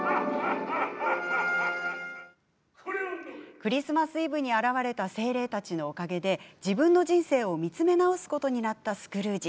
クリスマスイブに現れた精霊たちのおかげで自分の人生を見つめ直すことになったスクルージ。